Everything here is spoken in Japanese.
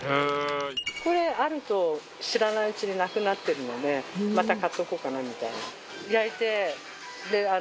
これあると知らないうちになくなってるのでまた買っとこうかなみたいな。